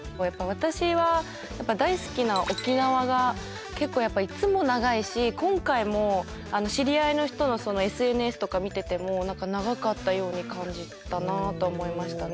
私は大好きな沖縄が結構やっぱいっつも長いし今回も知り合いの人のＳＮＳとか見てても長かったように感じたなと思いましたね